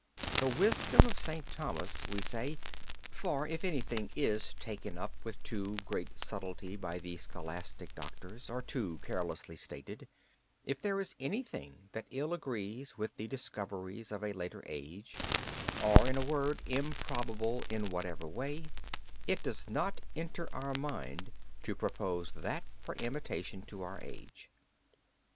The wisdom of St. Thomas, We say for if anything is taken up with too great subtlety by the scholastic doctors, or too carelessly stated if there is anything that ill agrees with the discoveries of a later age, or, in a word, improbable in whatever way, it does not enter Our mind, to propose that for imitation to Our age.